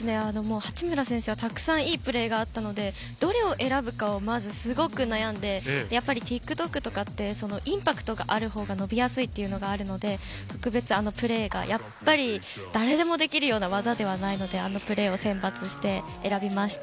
八村選手はたくさんいいプレーがあったので、どれを選ぶかすごく悩んで、ＴｉｋＴｏｋとかってインパクトがあるほうが伸びやすいというのがあるので、誰でもできるような技ではないので、あのプレーを選抜しました。